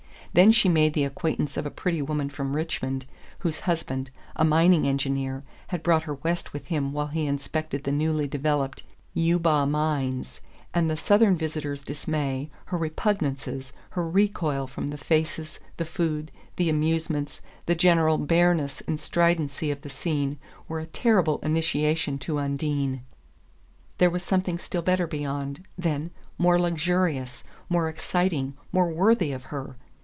Then she made the acquaintance of a pretty woman from Richmond, whose husband, a mining engineer, had brought her west with him while he inspected the newly developed Eubaw mines; and the southern visitor's dismay, her repugnances, her recoil from the faces, the food, the amusements, the general bareness and stridency of the scene, were a terrible initiation to Undine. There was something still better beyond, then more luxurious, more exciting, more worthy of her!